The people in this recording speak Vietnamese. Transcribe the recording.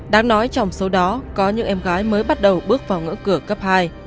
đáng nói trong số đó có những em gái mới bắt đầu bước vào ngỡ cửa cấp hai